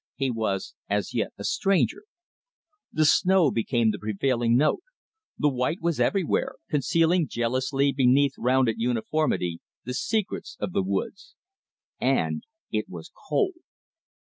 He was as yet a stranger. The snow became the prevailing note. The white was everywhere, concealing jealously beneath rounded uniformity the secrets of the woods. And it was cold.